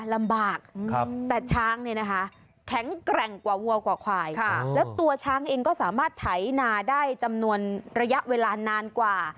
ลำบากแต่ช้างเนี่ยนะคะแข็งแกร่งกว่าวัวกว่าควายแล้วตัวช้างเองก็สามารถไถนาได้จำนวนระยะเวลานานกว่า